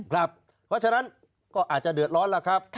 เพราะฉะนั้นก็อาจจะเดือดร้อนแล้วครับ